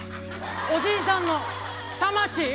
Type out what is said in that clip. おじいさんの魂。